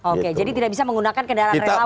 oke jadi tidak bisa menggunakan kendaraan relawan